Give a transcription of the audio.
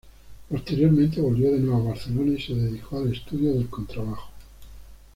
Posteriormente volvió de nuevo a Barcelona y se dedicó al estudio del contrabajo.